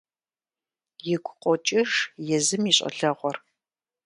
Игу къокӀыж езым и щӀалэгъуэр.